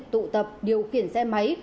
tụ tập điều kiển xe máy